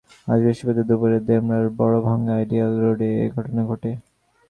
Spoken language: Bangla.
আজ বৃহস্পতিবার দুপুরে ডেমরার বড়ভাঙ্গা আইডিয়াল রোডে এ ঘটনা ঘটে।